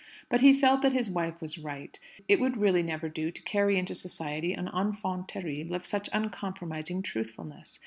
But he felt that his wife was right; it would really never do to carry into society an enfant terrible of such uncompromising truthfulness.